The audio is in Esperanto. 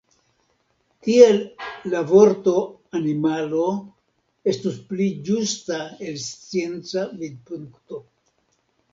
Tiel la vorto „animalo” estus pli ĝusta el scienca vidpunkto.